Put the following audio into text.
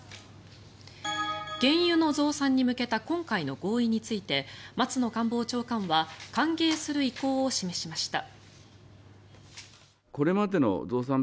原油の増産に向けた今回の合意について松野官房長官は歓迎する意向を示しました。